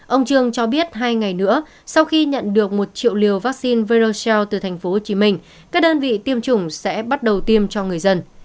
ông trương cho biết hai ngày nữa sau khi nhận được một triệu liều vaccine vercel từ tp hcm các đơn vị tiêm chủng sẽ bắt đầu tiêm cho người dân